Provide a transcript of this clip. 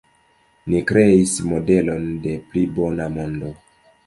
Ni kreis modelon de pli bona mondo.